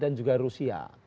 dan juga rusia